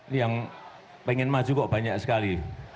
ini yang pengen maju kok banyak sekali